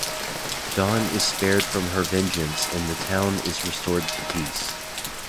Don is spared from her vengeance and the town is restored to peace.